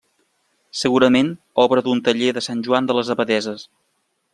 Segurament obra d'un taller de Sant Joan de les Abadesses.